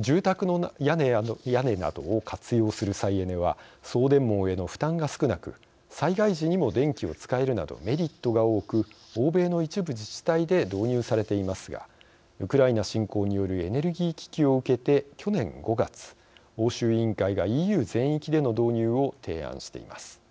住宅の屋根などを活用する再エネは送電網への負担が少なく災害時にも電気を使えるなどメリットが多く欧米の一部自治体で導入されていますがウクライナ侵攻によるエネルギー危機を受けて去年５月、欧州委員会がＥＵ全域での導入を提案しています。